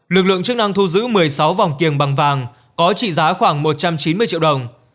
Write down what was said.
lực lượng chức năng thu giữ một mươi sáu vòng kiềng bằng vàng có trị giá khoảng một trăm chín mươi triệu đồng